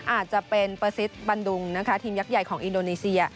อาจจะเป็นประสิทธิ์บันดุงนะคะทีมยักษ์ใหญ่ของอินโดนีเซีย